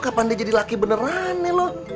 kapan dia jadi laki beneran nih lo